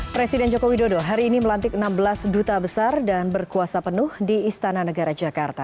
presiden joko widodo hari ini melantik enam belas duta besar dan berkuasa penuh di istana negara jakarta